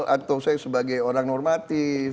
atau saya sebagai orang normatif